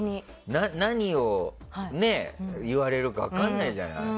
何を言われるか分からないじゃない。